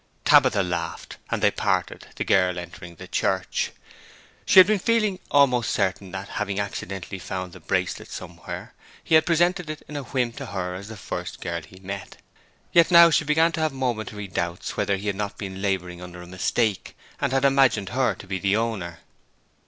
Tabitha laughed, and they parted, the girl entering the church. She had been feeling almost certain that, having accidentally found the bracelet somewhere, he had presented it in a whim to her as the first girl he met. Yet now she began to have momentary doubts whether he had not been labouring under a mistake, and had imagined her to be the owner.